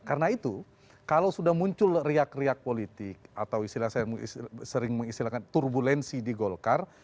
karena itu kalau sudah muncul riak riak politik atau istilah saya sering mengistilahkan turbulensi di golkar